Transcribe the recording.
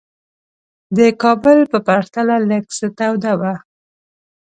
د کابل په پرتله لږ څه توده وه.